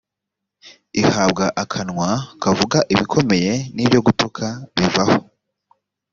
ihabwa akanwa kavuga ibikomeye n’ibyo gutuka bivaho